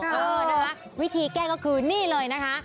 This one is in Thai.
เออนะคะวิธีแก้ก็คือนี่เลยนะคะ